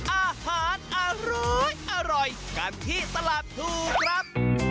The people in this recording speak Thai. อาหารอร้อยกันที่ตลาดพลูครับ